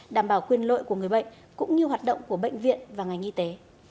đảm bảo quyền lợi của người bệnh cũng như hoạt động của bệnh viện và ngành y tế